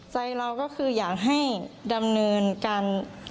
ใจเราก็คืออยากให้ดำเนินการ